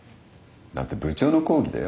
だって部長の抗議だよ。